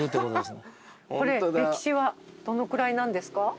これ歴史はどのくらいなんですか？